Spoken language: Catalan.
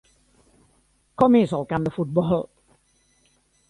Com és el camp de futbol?